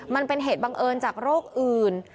มันเป็นเหตุบังเอิญจากโรคอื่น